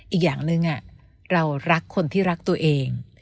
อีกอย่างหนึ่งเรารักคนที่รักตัวเอง